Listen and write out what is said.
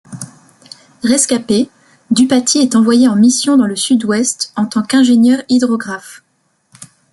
Rescapé, Dupaty est envoyé en mission dans le sud-ouest en tant qu’ingénieur-hydrographe.